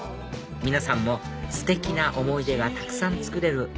皆さんもステキな思い出がたくさん作れる